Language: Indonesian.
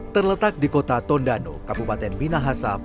terletak di kota tondano kabupaten minahasa provinsi jawa tenggara